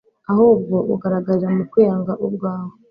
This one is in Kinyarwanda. ahubwo ugaragarira mu kwiyanga ubwawe